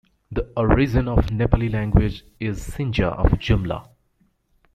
The origin of Nepali language is Sinja of Jumla.